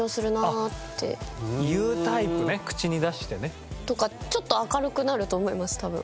言うタイプね口に出してね。とかちょっと明るくなると思います多分。